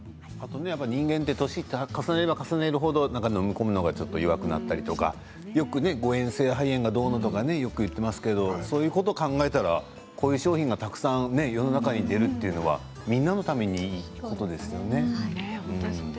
人間は年を重ねれば重ねるほど飲み込む力が弱まったりよく誤えん性肺炎とか言っていますけれどそういうことを考えたらこういう商品が世の中に出るのはみんなのためにいいことですね。